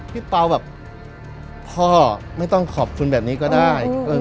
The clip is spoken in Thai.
พี่เป๋าแบบพ่อไม่ต้องขอบคุณแบบนี้ก็ได้เออเออเออ